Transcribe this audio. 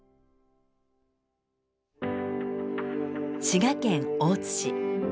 滋賀県大津市。